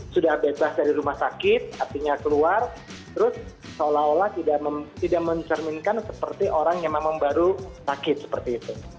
sudah bebas dari rumah sakit artinya keluar terus seolah olah tidak mencerminkan seperti orang yang memang baru sakit seperti itu